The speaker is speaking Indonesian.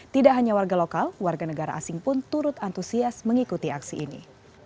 tidak hanya warga lokal warga negara asing pun turut antusias mengikuti aksi ini